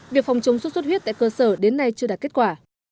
việc phòng chống xuất xuất huyết tại cơ sở đến nay chưa đạt kết quả